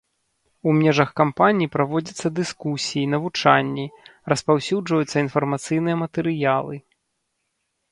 У межах кампаніі праводзяцца дыскусіі, навучанні, распаўсюджваюцца інфармацыйныя матэрыялы.